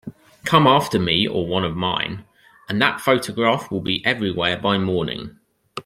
Come after me or one of mine, and that photograph will be everywhere by morning.